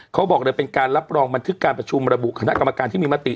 เขาบอกเลยเป็นการรับรองบันทึกการประชุมระบุคณะกรรมการที่มีมติ